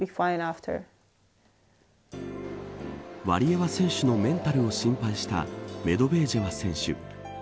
ワリエワ選手のメンタルを心配したメドベージェワ選手。